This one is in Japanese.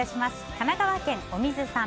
神奈川県の方。